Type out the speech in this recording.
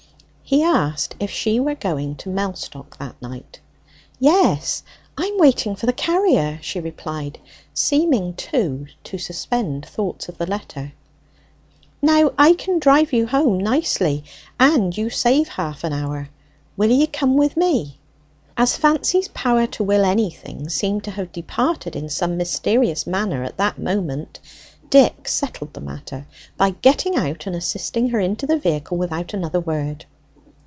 He asked if she were going to Mellstock that night. "Yes, I'm waiting for the carrier," she replied, seeming, too, to suspend thoughts of the letter. "Now I can drive you home nicely, and you save half an hour. Will ye come with me?" As Fancy's power to will anything seemed to have departed in some mysterious manner at that moment, Dick settled the matter by getting out and assisting her into the vehicle without another word.